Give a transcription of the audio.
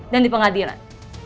dan di pengadilan